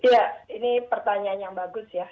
ya ini pertanyaan yang bagus ya